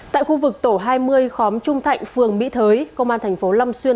tại khu vực tổ hai mươi khóm trung thạnh phường mỹ thới công an thành phố long xuyên